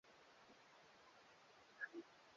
Kukiwa na visababishi vya vimelea vya magonjwa mengine